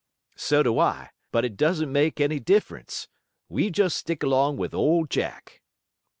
"So do I, but it doesn't make any difference. We just stick along with Old Jack."